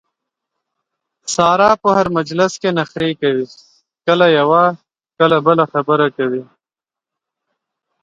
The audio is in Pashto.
ساره په هر مجلس کې نخرې کوي کله یوه کله بله خبره کوي.